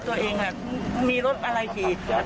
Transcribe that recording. ตัวเองไม่ได้มีลดอะไรจริง